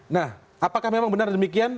nah apakah memang benar demikian